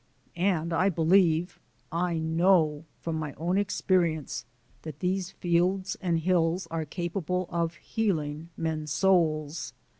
And I believe, I KNOW, from my own experience that these fields and hills are capable of healing men's souls.